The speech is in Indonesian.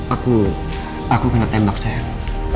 aku aku kena tembak saya